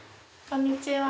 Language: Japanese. こんにちは。